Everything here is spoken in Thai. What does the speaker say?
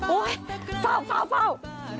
โอ้ยฝ่าวฝ่าวฝ่าว